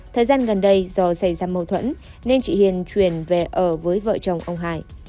thời gian gần đây do xảy ra mâu thuẫn nên chị hiền chuyển về ở với vợ chồng ông hải